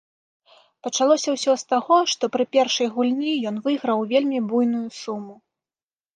Пачалося ўсё з таго, што пры першай гульні ён выйграў вельмі буйную суму.